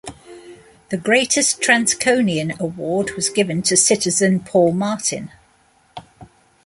The Greatest Transconian award was given to citizen Paul Martin.